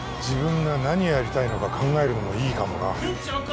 自分が何やりたいのか考えるのもいいかもな店長